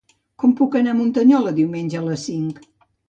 Com puc anar a Muntanyola diumenge a les cinc?